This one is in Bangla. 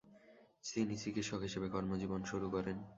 তিনি চিকিৎসক হিসেবে কর্মজীবন শুরু করেন।